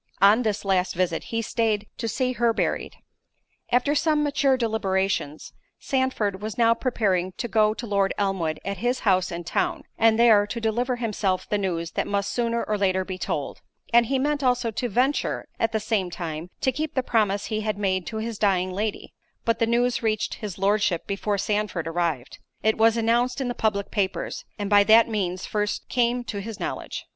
—On this last visit he staid to see her buried. After some mature deliberations, Sandford was now preparing to go to Lord Elmwood at his house in town, and there, to deliver himself the news that must sooner or later be told; and he meant also to venture, at the same time, to keep the promise he had made to his dying Lady—but the news reached his Lordship before Sandford arrived; it was announced in the public papers, and by that means first came to his knowledge.